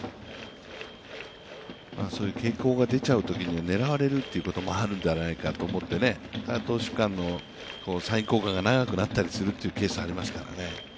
そういう傾向が出ちゃうときには狙われることもあるんじゃないかと思うので、投手間のサイン交換が長くなったりするケースがありますからね。